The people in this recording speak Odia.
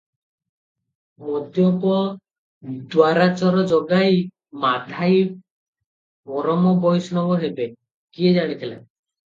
ମଦ୍ୟପ ଦୂରାଚର ଜଗାଇ ମାଧାଇ ପରମ ବୈଷ୍ଣବ ହେବେ, କିଏ ଜାଣିଥିଲା?